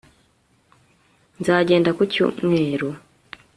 Nzagenda ku cyumweru